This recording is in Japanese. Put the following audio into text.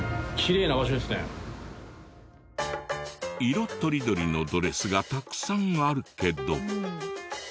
色とりどりのドレスがたくさんあるけど。